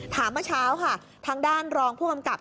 เมื่อเช้าค่ะทางด้านรองผู้กำกับ